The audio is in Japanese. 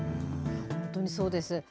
本当にそうです。